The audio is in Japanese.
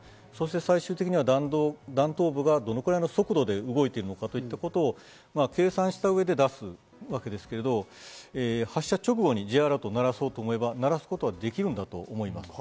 最終的に弾頭部がどれぐらいの速度で動いているのか計算した上で出すわけですけれども、発射直後にＪアラートを鳴らそうと思えば鳴らすことはできるんだと思いますと。